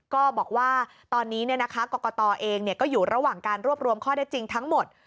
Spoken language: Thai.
ก็บอกว่าตอนนี้กรกตเองก็อยู่ระหว่างการรวบรวมข้อได้จริงทั้งหมด